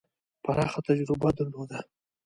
پراخه تجربه درلوده.